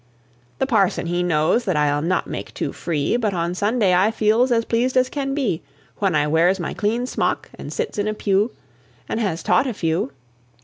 The parson he knows that I'll not make too free, But on Sunday I feels as pleased as can be, When I wears my clean smock, and sits in a pew, And has taught a few.